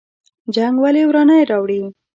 جنګ ولې ورانی راوړي؟